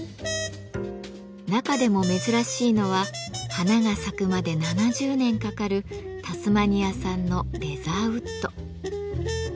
中でも珍しいのは花が咲くまで７０年かかるタスマニア産の「レザーウッド」。